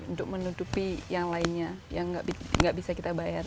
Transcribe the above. untuk menutupi yang lainnya yang nggak bisa kita bayar